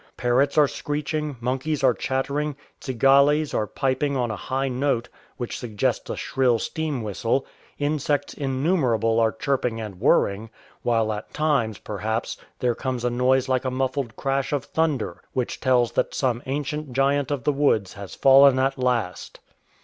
Parrots are screeching, monkeys are chattering, cigales are piping on a high note which suggests a shrill steam whistle, insects innumerable are chirping and whirring ; while at times, perhaps, there comes a noise like a muffled crash of thunder, which tells that some ancient giant of the woods has fallen at last.